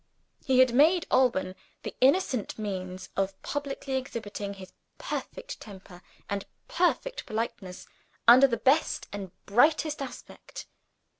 He had made Alban the innocent means of publicly exhibiting his perfect temper and perfect politeness, under their best and brightest aspect.